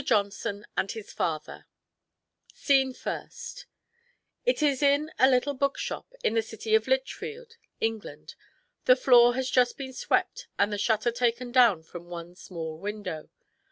JOHNSON AND HIS FATHER SCENE FIRST It is in a little bookshop in the city of Lichfield, England. The floor has just been swept and the shutter taken down from the one small window.